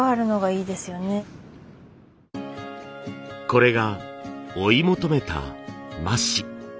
これが追い求めた麻紙。